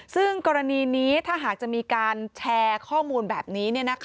ซึ่งกรณีนี้ถ้าหากจะมีการแชร์ข้อมูลแบบนี้